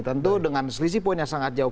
tentu dengan selisih poinnya sangat jauh